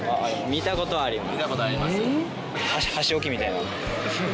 見た事はあります。